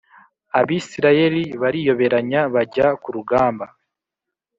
Abisirayeli bariyoberanya bajya ku rugamba